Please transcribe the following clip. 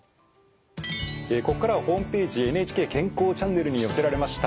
ここからはホームページ「ＮＨＫ健康チャンネル」に寄せられました